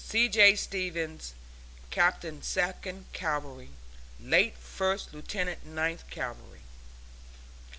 C. J. STEVENS, Captain Second Cavalry. (Late First Lieutenant Ninth Cavalry.)